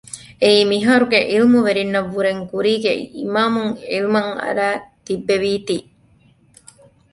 އެއީ މިހާރުގެ ޢިލްމުވެރިންނަށް ވުރެން ކުރީގެ އިމާމުން ޢިލްމަށް އަރައި ތިއްބެވީތީ